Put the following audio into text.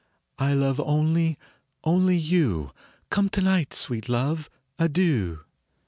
"I love only only you ; Come tonight, sweet love. Adieu